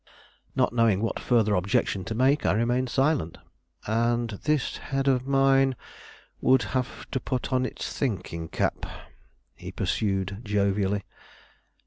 Not knowing what further objection to make, I remained silent. "And this head of mine would have to put on its thinking cap," he pursued jovially.